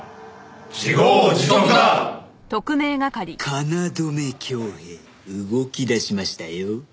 京匡平動きだしましたよ。